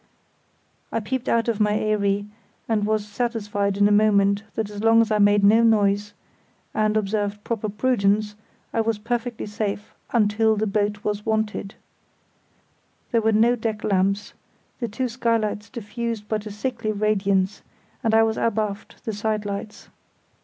I peeped out of my eyrie and was satisfied in a moment that as long as I made no noise, and observed proper prudence, I was perfectly safe until the boat was wanted. There were no deck lamps; the two skylights diffused but a sickly radiance, and I was abaft the side lights.